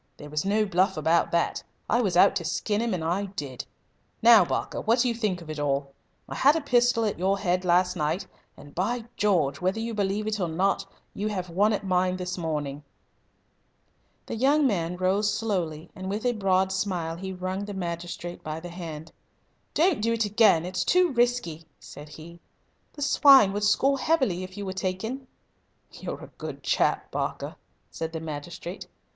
There was no bluff about that. I was out to skin him, and I did. Now, Barker, what do you think of it all? I had a pistol at your head last night, and, by George! whether you believe it or not, you have one at mine this morning!" The young man rose slowly, and with a broad smile he wrung the magistrate by the hand. "Don't do it again. It's too risky," said he. "The swine would score heavily if you were taken." "You're a good chap, Barker," said the magistrate.